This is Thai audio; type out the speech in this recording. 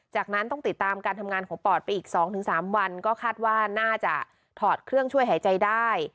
จากนั้นต้องติดตามการทำงานของปอดไปอีก๒๓วันก็คาดว่าน่าจะถอดเครื่องช่วยหายใจได้